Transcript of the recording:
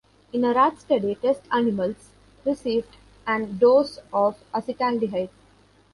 In a rat study, test animals received an dose of acetaldehyde.